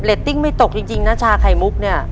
ตติ้งไม่ตกจริงนะชาไข่มุกเนี่ย